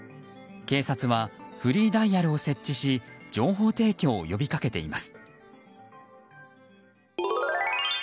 警察はフリーダイヤルを設置し情報提供を呼びかけています。